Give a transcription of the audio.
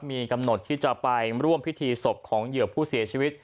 มีกำหนดที่จะไปร่วมพิธีศพของเหยื่อผู้เสียชีวิต